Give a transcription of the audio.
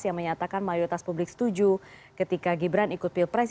yang menyatakan mayoritas publik setuju ketika gibran ikut pilpres